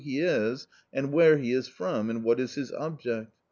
he is and where he comes from, and what is his object.